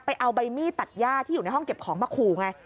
เอาใบมีดตัดย่าที่อยู่ในห้องเก็บของมาขู่ไง